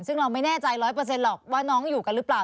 ซึ่งเราไม่แน่ใจ๑๐๐หรอกว่าน้องอยู่กันหรือเปล่า